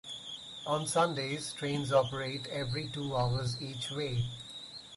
On Sundays, trains operate every two hours each way.